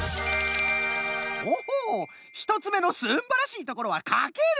オホ１つめのすんばらしいところは「かける」か。